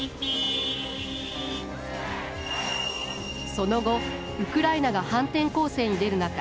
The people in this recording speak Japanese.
その後ウクライナが反転攻勢に出る中